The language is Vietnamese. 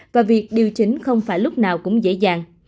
và việc điều chỉnh không phải lúc nào cũng dễ dàng